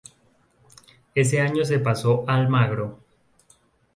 Ese año se pasó a Almagro.